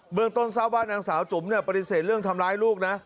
เมืองต้นทราบว่านางสาวจุ๋มปฏิเสธเรื่องทำร้ายลูกนะ